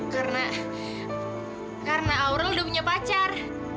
karena karena aurel udah punya pacar